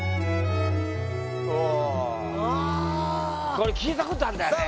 これ聴いたことあんだよねさあ